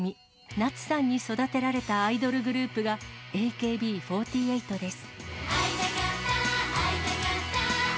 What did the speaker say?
夏さんに育てられたアイドルグループが、ＡＫＢ４８です。